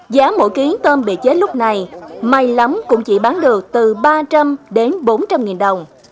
giá mỗi kg tôm bị chết lúc này mai lắm cũng chỉ bán được từ ba trăm linh đến bốn trăm linh nghìn đồng